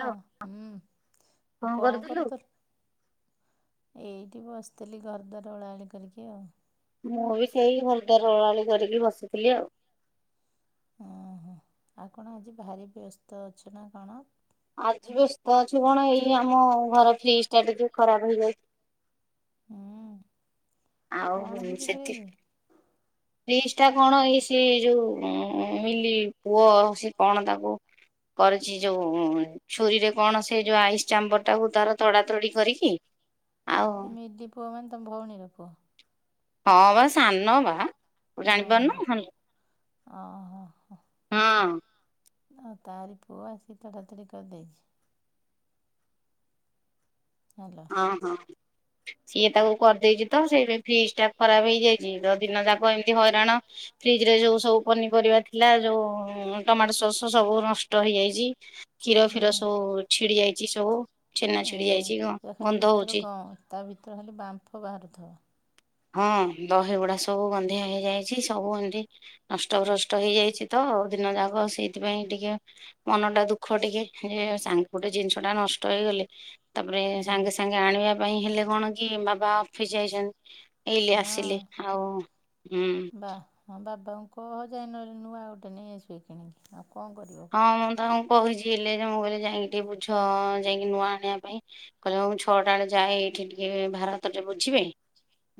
ହଁ ହୁଁ ଆ କଣ କର ତର ଏଇଠି ବି ବସିଥିଲି ଘର ଦ୍ୱାର ଓଳାଓଳି କରିକି ଆଉ। ମୁଁ ବି ସେଇ ଭରଦାର ଓଳାଳି କରିକି ବସିଥିଲି ଆଉ। ଓହୋ ଆଉ କଣ ଆଜି ଭାରି ବ୍ୟସ୍ତ ଅଛ ନା କଣ? ଆଜି ବ୍ୟସ୍ତ ଅଛୁ କଣ ଏଇ ଆମ ଘର ଫ୍ରିଜ ଟା ଟିକେ ଖରାପ ହେଇଯାଇଛି। ହୁଁ। ଆଉ କଣ ହେଇଛି ସେଠି ଫ୍ରିଜ୍? ଫ୍ରିଜଟା କଣ ଏଇ ସେ ଯୋଉ ମିଲି ପୁଅ ସେ କଣ ତାକୁ କରିଛି ଯୋଉ ଛୁରୀରେ କଣ ସେ ଯୋଉ ଆଇସ୍ ଚାମ୍ବରଟାକୁ ତାର ତଡ଼ାତଡି କରିକି ଆଉ ଏ ମିଲି ପୁଅ ମାନେ ତମ ଭଉଣୀର ପୁଅ? ହଁ ବା ସାନ ବା ଜାଣିପାରୁନୁ ହାଲୋ ଓହୋଃ ହୋ। ହଁ। ଆଉ ତାରି ପୁଅ ଆସି ତଡ଼ାତଡି କରିଦେଇଛି। ହାଲୋ। ହଁ ହଁ। ସିଏ ତାକୁ କରିଦେଇଛି ତ ସେଇ [inaudible] ଫ୍ରିଜଟା ଖରାପ ହେଇଯାଇଛି ତ ଦିନ ଯାକ ଏମିତି ହଇରାଣ ଫ୍ରିଜରେ ଯୋଉ ସବୁ ପନିପରିବା ଥିଲା ଯୋଉ ଉଁ ଟମାଟ ସସ୍ ସବୁ ନଷ୍ଟ ହେଇଯାଇଛି। କ୍ଷୀରଫିୀର ହୁଁ ସବୁ ଛିଡି ଯାଇଛି ସବୁ ଛେନା ଛିଡି ଏହେ ଯାଇଛି ପୁରା କଣ। ଖାଲି ଭିତର ଗଁ ତା ଭିତର ଖାଲି ବାମ୍ଫ ବାହାରୁଥିବ। ହଁ ଦହିଗୁଡା ସବୁ ଗନ୍ଧିଆ ହେଇଯାଇଛି। ସବୁ ଏମିତି ନଷ୍ଟଭ୍ରଷ୍ଟ ହେଇଯାଇଛି ତ। ଆଉ ଦିନ ଯାକ ସେଇଥିପାଇଁ ଟିକେ ମନଟା ଦୁଃଖ ଟିକେ, ଯେ ସାଙ୍ଗ୍ ଗୋଟେ ଜିନିଷଟା ନଷ୍ଟ। ରହିଗଲେ ତାପରେ ହୁଁ ସାଙ୍ଗେ ସାଙ୍ଗେ ଆଣିବା ପାଇଁ ହେଲେ କଣ କି ବାବା ଅଫିସ ଯାଇଛନ୍ତି। ଏଇଲେ ଆସିଲେ ହଁ ଆଉ ହୁଁ। ତାଙ୍କୁ କହ ଯାଇଁ ନହେଲେ ନୂଆ ଆଉ ଗୋଟେ ନେଇ ଆସିବେ କିଣିକି ଆଉ। କଣ କରିବ ହଁ ମୁଁ ତାଙ୍କୁ କହିଛି। ଥିଲେ ଯେ ମୁଁ କହିଲି ଯାଇଁକି ଟିକେ ବୁଝ ଯାଇଁକି ନୂଆ ଆଣିବା ପାଇଁ, କହିଲେ ହଉ ମୁଁ ଛଅଟା ବେଳେ ଯାଏ ଏଇଠି ଟିକେ ଏ ଭାରତରେ ବୁଝିବେ।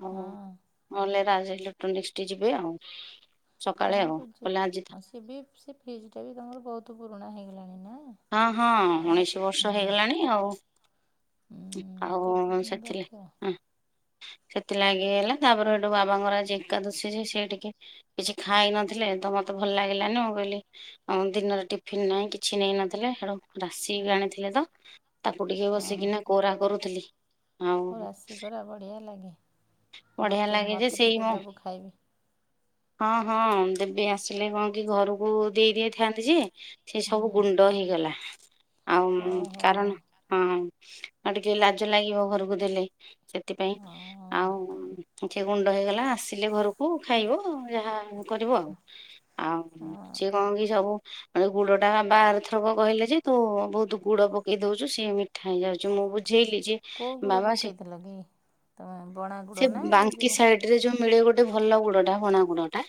ହଁଅଅ ହଁ ନହେଲେ ରାଜ ଇଲେକ୍ଟ୍ରୋନିକ୍ସକି ଯିବେ ଆଉ। ସକାଳେ ଆଉ ନାଇଁ କହିଲେ ଆଜି ତ [inaudible] ସେ ବି ସେ ଫ୍ରିଜଟା ବି ତମର ବହୁତ ପୁରୁଣା ହେଇଗଲାଣି ନା? ହଁ ହଁ ଆଉ ରଖ ଉଣେଇଶି ବର୍ଷ ହୁଁ ହେଇଗଲାଣି ଆଉ। ହୁଁ ଆଉ କେତେ ଦିନ ସେଥିଲେ ରଖିବ ହଁ। ସେଥିଲାଗି ହେଲା ତାପରେ ହେଠୁ ବାବାଙ୍କର ଆଜି ଏକାଦଶୀ ଯେ ସେ ଟିକେ କିଛି ଖାଇ ନଥିଲେ। ତ ମତେ ଭଲ ଲାଗିଲାନି, ମୁଁ କହିଲି ଅଁ ଦିନରେ ଟିଫିନ଼ ନାହିଁ କିଛି ନେଇ ନଥିଲେ ହେଡୁ ହୁଁ ରାଶି ଆଣିଥିଲେ ତ ତାକୁ ଟିକେ ବସିକିନା କରୁଥିଲି‌। ରାଶିିକୋରା ବଢ଼ିଆ ଲାଗେ, ବଢିଆ ମୋତେ ମୋତେ ଟିକେ ଦେବୁ ଖାଇବି। ହଁ-ହଁ। ଏବେ ଆସିଲେ କଣ କି ଘରକୁ ଦେଇ ଦେଇଥାନ୍ତି ଯେ ସେ ସବୁ ହୁଁ ଗୁଣ୍ଡ ହେଇଗଲା। ଆଉ ଓହୋ କାରଣ, ହଁ ଆଉ ଟିକେ ଲାଜ ଲାଗିବ ଘରକୁ ଦେଲେ। ସେଥିପାଇଁ ହଁ ଆଉ ଟିକେ ଗୁଣ୍ଡ ହେଇଗଲା ଆସିଲେ ଘରକୁ ଖାଇବ ‌ଆଉ। ଯାହା କରିବ ଆଉ, ଆଉ ହଁ। ସିଏ କଣ କି ସବୁ ଗୁଡଟା ବାବା ଆରଥରକ କହିଲେ ଯେ ତୁ ବହୁତୁ ଗୁଡ ପକେଇ ଦଉଛୁ ସିଏ ମିଠା ହେଇଯାଉ ଯେ ଲିଜେ କୋଉ ଗୁଡ଼ ବାବା ସେ ପକେଇଥିଲ କି ତମେ ବଣା ଗୁଡ଼ ସେ ନା ଏଇ ବାଙ୍କି ଯେଉଁ ସାଇଡ଼ରେ ରେ ଯୋଉ ମିଳେ ଗୋଟେ ଭଲ ଗୁଡଟା ବଣା ଗୁଡଟା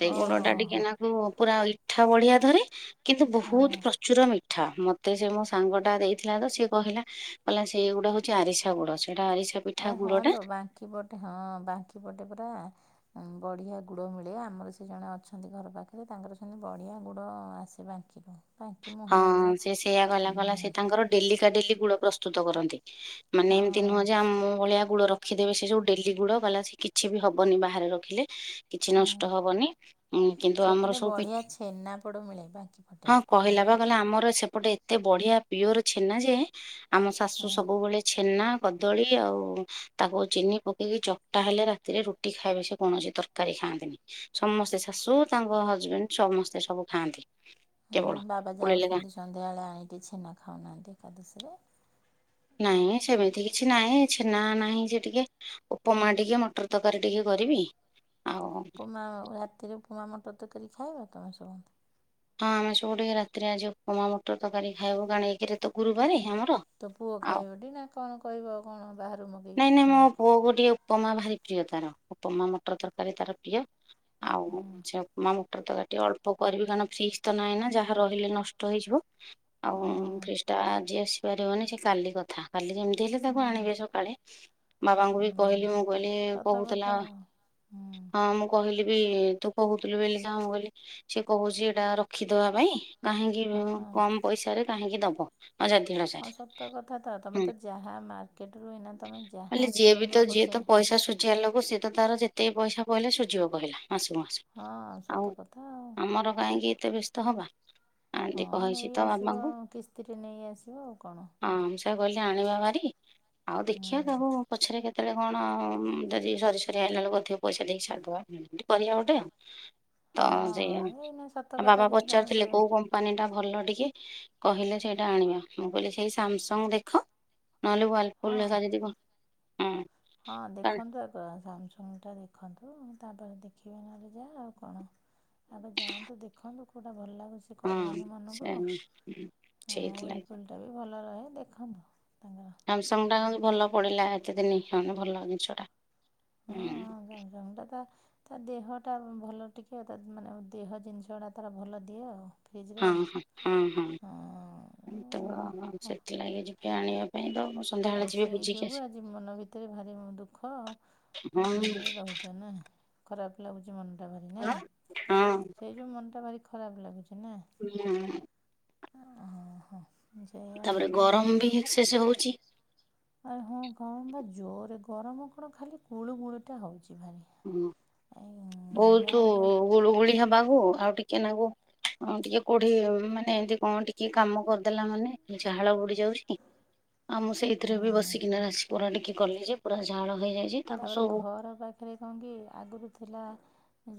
ସେଇ ଓହୋ ଗୁଡଟା ହୋ ଟିକେନାକୁ ପୁରା ଇଠା ବଢିଆ ଧରେ କିନ୍ତୁ ହଁ ବହୁତ ପ୍ରଚୁର ମିଠା, ମତେ ସେ ମୋ ସାଙ୍ଗଟା ଦେଇଥିଲା ତ ସିଏ କହିଲା। କହିଲା ସେଇ ଗୁଡ ହଉଛି ଆରିସା ଗୁଡ। ସେଇଟା ଆରିସା ପିଠା ଆରେ ହଁ ଗୁଡଟା ଲୋ ବାଙ୍କିପଟେ ହଁ ବାଙ୍କିପଟେ ପରା ବଢ଼ିଆ ଗୁଡ଼ ମିଳେ ଆମର ସେ ଜଣେ ଅଛନ୍ତି ଘର ପାଖରେ ତାଙ୍କର ସେମିତି ବଢ଼ିଆ ଗୁଡ଼ ଆସେ ବାଙ୍କିରୁ‌। ହଁ ସେ ସେୟା କ‌ହିଲା କହିଲା ସେ ତାଙ୍କର ଡେଲି କା ଡେଲି ଗୁଡ ପ୍ରସ୍ତୁତ କରନ୍ତି। ମାନେ ହଁ ଏମିତି ନୁହଁ ଯେ ଆମ ଭଳିଆ ଗୁଡ ରଖିଦେବେ ସେ ଯୋଉ ଡେଲି ଗୁଡବାଲା ସେ କିଛି ବି ହବନି ବାହାରେ ରଖିଲେ କିଛି ହୁଁ, ନଷ୍ଟ ହବନି କିନ୍ତୁ ଆମର ସେପଟେ ସବୁ ବଢ଼ିଆ ପିଠ୍ ଛେନାପୋଡ଼ ମିଳେ ବାଙ୍କି ପଟେ ହଁ କହିଲା ବଢ଼ିଆ ବା ଅଛି କହିଲା ଆମର ସେପଟେ ଏତେ ବଢିଆ ପିୱର ଛେନା ଯେ ଆମ ଶାଶୁ ହଁ ସବୁବେଳେ ଛେନା କଦଳୀ ଆଉ ତାକୁ ଚିନି ପକେଇକି ଚକଟା ହେଲେ ରାତିରେ ରୁଟି ଖାଇବେ ସେ କଉଣସି ତରକାରୀ ଖାଆନ୍ତିନି ସମସ୍ତେ ଶାଶୁ ତାଙ୍କ ହଜବେଣ୍ଡ ସମସ୍ତେ ସବୁ ଖାଆନ୍ତି। କେବଳ ହଁ ବାବା ପୁଳେଇଲେ କା ଯାଉଛନ୍ତି ସନ୍ଧ୍ୟାବେଳେ ଆଣିକି ଛେନା ଖାଉନାହାନ୍ତି ଏକାଦଶୀରେ ନାଇଁ ସେମିତି କିଛି ନାହିଁ ଛେନା ନାହିଁ ସେ ଟିକେ ଉପମା ଟିକେ ମଟର ତରକାରୀ ଟିକେ କରିବି ଆଉ ହଁ ଉପମା ରାତିରେ ଉପମା ମଟର ତରକାରି ଖାଇବ ତମେ ସମସ୍ତେ ହଁ ଆମେ ସବୁ ଟିକେ ରାତିରେ ଆଜି ଉପମା ମଟର ତରକାରୀ ଖାଇବୁ ଏକରେ ତ ଗୁରୁବାର ଆମର ତୋ ପୁଅ ଆଉ ଖାଇବ ଟି ନା କଣ କହିବ କଣ ବାହାରୁ ନାଇଁ ମଗେଇକି ନାଇଁ ମୋ ଖାଇବାକୁ? ପୁଅକୁ ଟିକେ ଉପମା ଭାରି ପ୍ରିୟ ତାର ଉପମା ମଟର ତରକାରୀ ତାର ପ୍ରିୟ ଆଉ ହୁଁ, ସେମା ମଟର ତରକାରୀ ଟିକେ ଅଳ୍ପ କରିବି କାରଣ ଫ୍ରିଜ୍ ତ ନାହିଁ ନା ଯାହା ରହିଲେ ନଷ୍ଟ ହେଇଯିବ। ଆଉ ହଁ ଫ୍ରିଜ ଟା ଆଜି ଆସିପାରିବନି ସେ କାଲି କଥା। କାଲି ଯେମିତି ହେଲେ ତାକୁ ହୁଁ ଆଣିବେ ସକାଳେ ବାବାଙ୍କୁ ବି ହୁଁ କହିଲି ମୁଁ କହିଲି ସତ କହୁଥିଲା କଥା ଆଉ ହୁଁ ହଁ ମୁଁ କହିଲି ବି ତୁ କହୁଥିଲୁ ବୋଲି ତାଙ୍କୁ ମୁଁ କହିଲି ସେ କହୁଛି ଏଇଟା ରଖିଦବା ପାଇଁ କାହିଁକି ହଁ କମ୍ ପଇସାରେ କାହିଁକି ଦବ? ଅଯୋଧ୍ୟ ହଁ ସାରେ ସତ କଥା ତ ତମେ ତ ଯାହା ମାର୍କେଟ ରୁ ଏଇନା ତମେ କହିଲେ ଯାହା ଯିଏ ବି ତ କିଣିବ ଯିଏ ଗୋଟେ ତ ପଇସା ସୁଝିବା ଲୋକ ସେତ ତାର ଯେତକି ପଇସା କହିଲେ ସୁଝିବ କହିଲା। ମାସକୁ ମାସ। ହଁ ଆଉ ସତ କଥା ଆଉ ଆମର କାହିଁକି ଏତେ ବ୍ୟସ୍ତ ହବା ହଁ ଆଣ୍ଟି କହିଛି ନେଇ ତ ଆସିବ ବାବାଙ୍କୁ କିସ୍ତିରେ ନେଇ ଆସିବ ଆଉ କଣ। କହିଲି ଆଣିବା ଭାରି ଆଉ ହୁଁ ଦେଖିବା ତାକୁ ପଛରେ କେତେ ସେତେଳେ କଣ ଯଦି ସରି ସରିଆଇଲା ବଳକୁ ଅଧିକ ପଇସା ଦେଇକି ସରିଦେବା ଏମିତି କରିବା ଗଟେ ଆଉ। ତ ହଁ ସେୟା ଏଇନା ସତ ଆଉ କଥା ବାବା ଯଦି ତମେ ପଚାରୁଥିଲେ ଦେ କୋଉ କମ୍ପାନୀ ଟା ଭଲ ଟିକେ? କହିଲେ ସେଇଟା ଆଣିବା। ମୁଁ କହିଲି ସେଇ ସ୍ୟାମସଙ୍ଗ ଦେଖ ନହେଲେ ହଁ ୱାର୍ଲପୁଲ୍ର ଯଦି ଥିବ? ହଁ। ହଁ କାରଣ- ଦେଖନ୍ତୁ ଆଗ ସ୍ୟାମସଙ୍ଗ ଟା ଦେଖନ୍ତୁ। ତାପରେ ଦେଖିବେ ନହେଲେ ଯାହା ଆଉ କଣ ତାପରେ ଯାଆନ୍ତୁ ଦେଖନ୍ତୁ କେଉଁଟା ଭଲ ଲାଗୁଛି? ଆଉ ସେ ହଁ କହିବନି ସେ ମନଙ୍କୁ ହଁ ସେଇଥିଲାଗି ହ୍ୱିଲଫୁଲ୍ ଟା ବି ଭଲ ରହେ। ଦେଖନ୍ତୁ ତା ସ୍ୟାମସଙ୍ଗ ଟା ଭଲ ପଡିଲା ଏତେ ଦିନି ଭଲ ଜିନିଷ ଟା ହୁଁ ହଁଙ୍ଗ ସ୍ୟାମସଙ୍ଗଟା ତ ତା ଦେହଟା ଭଲ ଟିକେ ଆ ତା ମାନେ ଦେହ ଜିନିଷ ଗୁଡା ତାର ଭଲ ଦିଏ ଆଉ। ଫ୍ରିଜ୍ର ହଁ ହଁ ହଁ ହଁ ହଁ ତ ସେଥିଲାଗି ଯିବି ଆଣିବା ପାଇଁ ତ ମୁଁ ତା ସନ୍ଧ୍ୟାବେଳେ ଯିବି ସେଇ ବୁଝିକି ଯୋଗୁ ଆଜି ମନ ଭିତରେ ଭାରି ଦୁଃଖ ଆଉ। ଆସିବି। ନିରେ ରହୁଛ ନା ଖରାପ ଲାଗଛି। ମନଟା ଭାରି ନା ହଁ ହଁ ସେଇ ଯୋଉ ମନଟା ଭାରି ଖରାପ ଲାଗୁଛି। ହୁଁ। ଓ ହୋ। ତାପରେ ଗରମ ବି ବିସେଷ ହଉଚି। ଆରେ ହଁ କଣ ବା ଜୋରେ ଗରମ କଣ ଖାଲି ଗୁଳୁ ଗୁଳୁ ଟା ହଉଛି। ହୁଁ ବହୁତ ଯାହା ଯାହା ଗୁଳୁଗୁଳି ହବାକୁ ଆଉ ଟିକେ ନାଗୁ ହଁ ଟିକେ କୋଉଠି ମାନେ ଏମିତି କଣ ଟିକେ କାମ କରିଦେଲା ମାନେ ଝାଳ ବୁଡି ବୁଡିଯାଉଛି ମୁଁ ସେଇଥିରେ ବି ବସିକିନା ବରା ଟିକେ କଲି ଯେ ପୁରା ଝାଳ ହେଇଯାଇଛି ତାକୁ ତାପରେ ସବୁ ଘର ପାଖରେ କଣ କି ଆଗରୁ ଥିଲା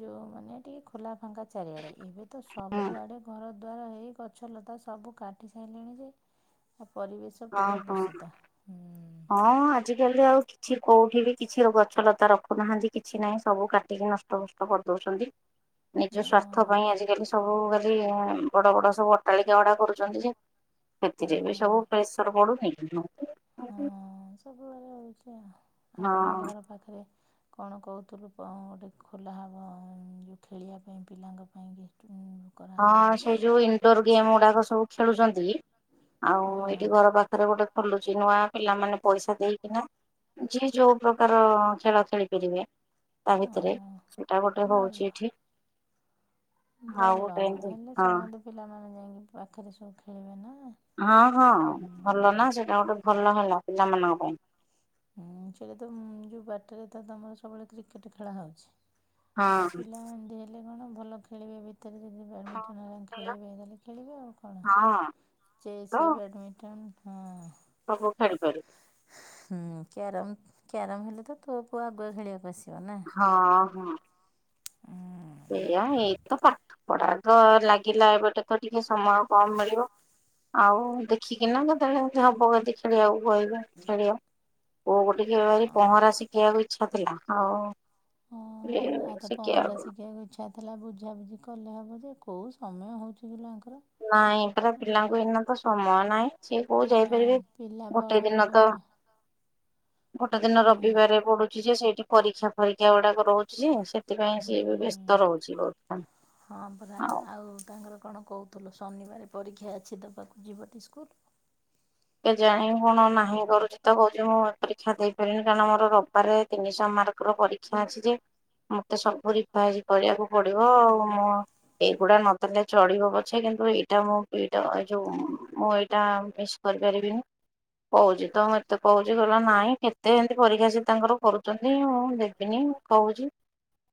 ଯୋଉ ମାନେ ଟିକେ ଖୋଲା ଫାଙ୍କା ଚାରିଆଡେ ଏବେ ତ ହଁ ସବୁଆ ଆଡ଼େ ଘର ଦ୍ୱାର ହେଇ ଗଛ ଲତା ସବୁ କାଟି ସାରିଲେଣି ଯେ [inaudible] ପରିବେଶ ହଁ ପୁରା ହଁ ଦୂଷିତା ଜଲଦି ଆଉ କିଛି କୋଉଠି ବି କିଛି ଗଛ ଲତା ରଖୁନାହାନ୍ତି କିଛି ନାହିଁ ସବୁ କାଟିକି ନଷ୍ଟ ଫଷ୍ଟ କରିଦଉଛନ୍ତି। ନିଜ ସ୍ୱାସ୍ଥ୍ୟ ପାଇଁ ଆଜିକାଲି ସବୁ ବଡ଼ ବଡ଼ ସବୁ ଅଟାଳିକା ଅଡା କରୁଛନ୍ତି ଯେ ହଁ ସେଥିରେ ବି ସବୁ ପ୍ରେସର ପଡୁନି ହଁ ସବୁବେଳେ ହେଉଛି ଆଉ ତମ ହଁ ଘର ପାଖରେ କଣ କହୁଥିଲୁ, କଣ ଗୋଟେ -ଖୋଲା ହବ ଯୋଉ ଖେଳିବା ପାଇଁ ପିଲାଙ୍କ ପାଇଁ କରାହେବ ହଁ ବୋଲି ସେଇ ଯୋଉ ଇନଡୋର ଗେମ୍ ଗୁଡାକ ସବୁ ଖେଳୁଛନ୍ତି ଆଉ ହଁ। ଏଇଠି ଘର ପାଖରେ ଗୋଟେ ଖୋଲୁଛି, ନୂଆ ପିଲାମାନେ ପଇସା ଦେଇକିନା ଯିଏ ଯୋଉ ପ୍ରକାର ଖେଳ ଖେଳିପାରିବେ। ତା ଭିତରେ ହଁ ସେଟା ଗୋଟେ ଭଲ ହଉଛି ଏଠି। ଆଉ ଭଲ। ଗୋଟେ ହେଲେ ହଁ। ସମସ୍ତେ [unintelligible] ପାଖରେ ସବୁ ଖେଳିବା ନା ହଁ ହଁ ଭଲ ନାଁ, ସେଇଟା ଗୋଟେ ଭଲ ହେଲା ପିଲାମାନଙ୍କ ପାଇଁ ହୁଁ ସେଟା ତ ଯୋଉ ବାଟରେ ତ ତମର ସବୁବେଳେ କ୍ରିକେଟ ଖେଳା ହଉଛି। ଆଉ ହଁ। ପିଲା ଏମତି ହେଲେ କଣ ଭଲ ଖେଳିବେ ବି। ଭିତରେ ଯଦି ବ୍ୟାଡ଼ମିଣ୍ଟନ ହେରା ଖେଳେଇବେ, ତାହାଲେ ଖେଳିବେ ଆଉ କଣ। ହଁ ତ ଚେସ, ବ୍ୟାଡ଼ମିଣ୍ଟନ ହଁ। ସବୁ ଖେଳିପାରିବେ। ହୁଁ କ୍ୟାରମ, କ୍ୟାରମ ହେଲେ ତୋ ପୁଅ ଆଗୁଆ ଖେଳିବାକୁ ଆସିବ। ନା ହଁ ହଁ। ଏଇଆ, ଏଇତ ପାଠ ପଢ଼ା ତ ଲାଗିଲା ଏବେତ ଟିକେ ସମୟ କମ ମିଳିବ। ଆଉ ଦେଖିକିନା କେତେବେଳେ ହବ କେମିତି ଖେଳିବାକୁ କହିବା ଖେଳିବା ହଁ ପହଁରା ଶିଖିବାକୁ ଇଚ୍ଛା ଥିଲା ଆଉ ହଁ ଆଉ ତା ପହଁରା ଶିଖିବାକୁ ଇଚ୍ଛା ଥିଲା ବୁଝାବୁଝି କଲେ ହେବ ଯେ କେଉଁ ସମୟ ହେଉଛି ଆଙ୍କର ନାଇଁ ଏ ପରା ପିଲାଙ୍କୁ ଏନା ତ ସମୟ ନାହିଁ ସିଏ କୋଉ ଯାଇପାରିବେ? ହେଲା ଗୋଟେ ବଡ ଦିନ ହେଲେ ତ ମ ଗୋଟେ ଦିନ ରବିବାରେ ପଡୁଛି ଯେ ସେଇଠି ପରୀକ୍ଷା ଫରୀକ୍ଷା ଗୁଡ଼ାକ ରହୁଛି ଯେ ସେ ସେଥିପାଇଁ ସିଏ ବି ହୁଁ। ବ୍ୟସ୍ତ ରହୁଛି ବହୁତ ହଁ ପରା ଆଉ ତାଙ୍କର କଣ କହୁଥିଲୁ ଶନିବାର ପରୀକ୍ଷା ଅଛି ଦେବାକୁ ଯିବ ଟି ସ୍କୁଲ? କେଜାଣି କଣ ନାହିଁ କରୁଛି ତ, କହୁଛି ମୁଁ ଏଇ ପରୀକ୍ଷା ଦେଇପାରିବିନି, କାରଣ ମୋର ରବିବାର ତିନିଶହ ମାର୍କ ର ପରୀକ୍ଷା ଅଛି ଯେ ମତେ ସବୁ ରିପେୟାର କରିବାକୁ ପଡିବ ଆଉ ମୋ ଏ ଏଇ ଗୁଡ଼ା ନଦେଲେ ଚଳିବ ପଛେ ଏଇଟା ମୁଁ ଏଇଟା- ଏ -ଯୋଉ ମୁଁ ଏଇଟା ମିସ୍ କରିପାରିବିନି। କହୁଛି ତ ମୁଁ ଏତେ କହୁଛି, କହିଲା ନାଇଁ କେତେ ଏମିତି ପରୀକ୍ଷା ସେ ତାଙ୍କର କରୁଛନ୍ତି ମୁଁ ଦେବିନି। କହୁଛି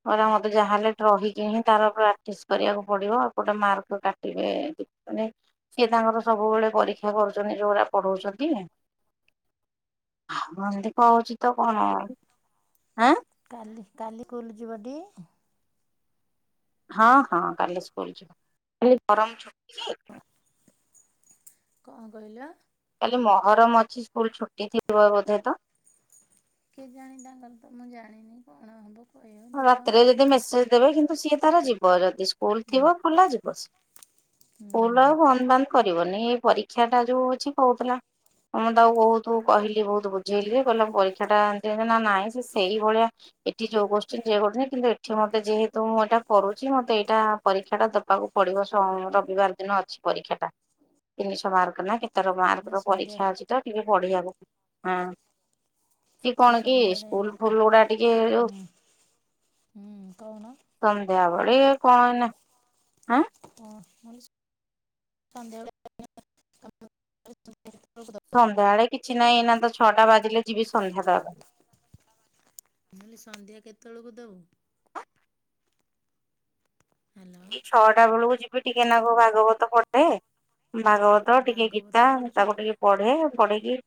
କହିଲା ମତେ ଯାହାହେଲେ ଏଠି ରହିକି ହିଁ ତାର ପ୍ରାକ୍ଟିସ କରିବାକୁ ପଡ଼ିବ, ଏପଟେ ମାର୍କ କାଟିବେ ମାନେ ସିଏ ତାଙ୍କର ସବୁବେଳେ ପରୀକ୍ଷା କରୁଛନ୍ତି ଯୋଉଟା ପଢ଼ଉଛନ୍ତି। ଏନ୍ତି କହୁଛି ତ କଣ ଆଁ କାଲି, କାଲି ସ୍କୁଲ୍ ଯିବଟି? ହଁ ହଁ କାଲି ସ୍କୁଲ ଯିବ, ଗରମ କଣ କହିଲ? କାଲି ମହରମ ଅଛି ସ୍କୁଲ ଛୁଟି ଥିବ ବୋଧେ ତ କେଜାଣି ତାଙ୍କର ତ ମୁଁ ଜାଣିନି କଣ କହିବ ହଁ ଦେଖ। ରାତିରେ ଯଦି ମେସେଜ ଦେବେ କିନ୍ତୁ ସିଏ ତାର ଯିବ, ଯଦି ସ୍କୁଲ ହୁଁ ଥିବ ଖୋଲା ଯିବ ସିଏ, ହୁଁ ସ୍କୁଲ ହୁଁ ଆଉ ବନ୍ଦ ବାନ୍ଦ କରିବନି ଏ ପରୀକ୍ଷା ଟା ଯୋଉ ଅଛି କହୁଥିଲା ମୁଁ ତାକୁ ବହୁତ କହିଲି, ବହୁତ ବୁଝେଇଲି, କହିଲା ପରୀକ୍ଷା ଟା ଏତି ନା ନାଇଁ ସେ ସେଇଭଳିଆ ଏଠି ଯଉ ଗୋଟୁନି [unintelligible] କିନ୍ତୁ ଏଠି ମୋତେ ଯେହେତୁ ମୁଁ ଏଇଟା କରୁଛି ମୋତେ ଏଇଟା ପରୀକ୍ଷା ଦେବାକୁ ପଡିବ ସମୟ ଅନୁଯାୟୀ। ରବିବାର ଦିନ ଅଛି ପରୀକ୍ଷା ଟା, ତିନିଶ ମାର୍କ ନା କେତେ? ତାର ମାର୍କ ଏଇନା ର ସନ୍ଧ୍ୟା ପରୀକ୍ଷା ଅଛି ତ ଟିକେ ପଢିଆକୁ ହଁ। ସିଏ ଆଉ କଣ କି ସନ୍ଧ୍ୟାବେଳେ ଏଇନା ସ୍କୁଲ କଣ? ଫୁଲ ଗୁଡା ଟିକେ ଯୋଉ ହୁଁ ହୁଁ କହୁନ ସନ୍ଧ୍ୟା ବଳୀ କଣ ଏଇନା ହାଁ [unintelligible] ସନ୍ଧ୍ୟା [unintelligible] ସନ୍ଧ୍ୟାବେଳେ କିଛି ନାହିଁ ଏଇନା ତ ଛଅଟା ବାଜିଲେ ଯିବି ସନ୍ଧ୍ୟା ଦବା ପାଇଁ ନହେଲେ ସନ୍ଧ୍ୟା କେତେବେଳକୁ ଦୋଉ? ହ୍ୟାଲୋ ଏଇ ଛଅଟା ବେଳକୁ ଯିବି ଟିକେ ନାଗ ଭାଗବତ ପଢେ। ଓ ଭାଗବତ ଟିକେ ଭାଗବତ ଗୀତା ପଢ଼ୁଛୁ ତାକୁ ତୁ? ଟିକେ ପଢେ ପଢିକି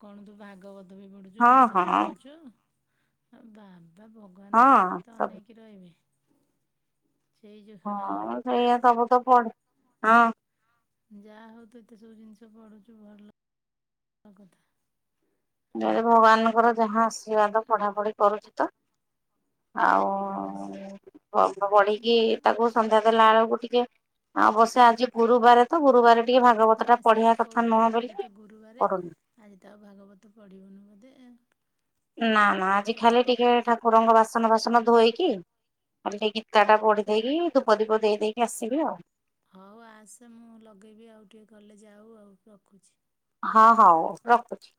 ହଁ ହଁ। ଲି ପଢୁଚ ଆଉ ବାବା ଭଗବାନ ପୁରା ହଁ ତତେ ସବୁ ଏନେଇକି ରହିବେ। ସେଇ ଯୋଉ ହାଲୋ ହଁ ସେଇଆ ସବୁ ତ ପଢେ ହଁ। ଯାହା ହୋଉ ତୁ ଏତେ ସବୁ ଜିନ୍ସ ପଢ଼ୁଚୁ ଭଲ କଥା। ଯଦି ହାଲୋ ଭଗବାନଙ୍କର ଯାହା ଆଶୀର୍ବାଦ ପଢାପଢି କରୁଚି ତ। ଆଉ ହଁ ସବୁ ତ ପଢି କି ତାକୁ ସନ୍ଧ୍ୟା ଦେଲା ବେଳକୁ ଟିକେ ଅବଶ୍ୟ ଆଜି ଗୁରୁବାରେ ତ ଗୁରୁବାରେ ଟିକେ ମୁଁ ଭାଗବତ ଟା ଏଇନା ସେଇଆ ପଢ଼ିବା କଥା କହୁଥିଲି ମୁଁ ନୁହଁ କହିଲି ବୋଲି ଆଜି ତ ଗୁରୁବାରେ ପଢ଼ୁନି। ଆଜି ତ ଆଉ ଭାଗବତ ପଢ଼ିବୁନୁ ବୋଧେ? ହଁ ନା ନା ହଉ ଆଜି ଯା ଖାଲି ଟିକେ ଠାକୁରଙ୍କ ବାସ ବାସନ ବାସନ ଧୋଇକି ଖାଲି ଟିକେ ଗୀତାଟା ପଢି ଦେଇେଇକି ଧୂପ ଦୀପ ଦେଇ ଦେଇକି ଆସିବି ଆଉ। ହୋଉ ଆସେ ମୁଁ ଲଗେଇବି ଆଉ ଟିକେ ଗଲେ ଯାଉ ରଖୁଚି। ହଁ ହୋଉ ରଖୁଛି।